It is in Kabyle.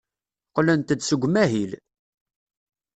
Qqlent-d seg umahil.